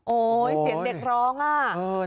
โอ้ยเสียงเด็กร้อง